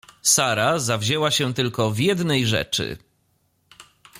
Sara zawzięła się tylko w jednej rzeczy.